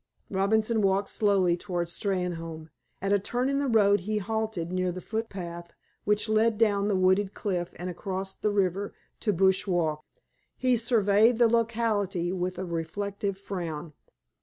Robinson walked slowly toward Steynholme. At a turn in the road he halted near the footpath which led down the wooded cliff and across the river to Bush Walk. He surveyed the locality with a reflective frown.